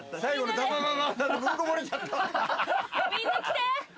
みんな来て。